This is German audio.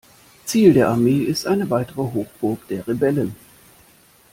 Ziel der Armee ist eine weitere Hochburg der Rebellen.